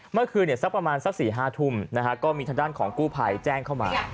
เมื่อคืนเนี่ยสักประมาณสักสี่ห้าทุ่มนะฮะก็มีทางด้านของกู้ภัยแจ้งเข้ามา